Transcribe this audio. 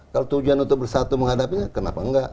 kalau tujuan untuk bersatu menghadapinya kenapa enggak